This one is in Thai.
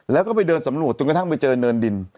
แล้วก็ไปเดินสำรวจจนกระทั่งไปเจอเนินดิน